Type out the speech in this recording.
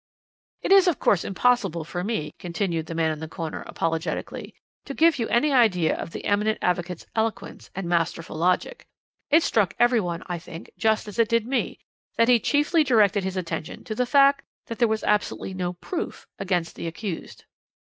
"It is, of course, impossible for me," continued the man in the corner apologetically, "to give you any idea of the eminent advocate's eloquence and masterful logic. It struck every one, I think, just as it did me, that he chiefly directed his attention to the fact that there was absolutely no proof against the accused.